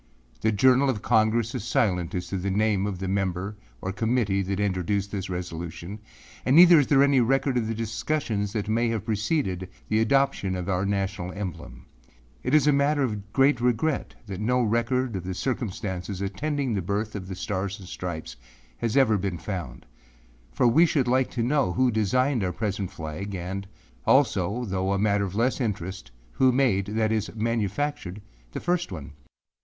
â âThe Journal of Congress is silent as to the name of the member or committee that introduced this resolution and neither is there any record of the discussions that may have preceded the adoption of our national emblem.â âIt is a matter of great regret that no record of the circumstances attending the birth of the Stars and Stripes has ever been found,â for we should like to know who designed our present flag, and also, though a matter of less interest, who made, that is manufactured, the first one.